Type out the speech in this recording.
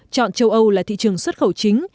chọn châu âu là thị trường xuất khẩu chính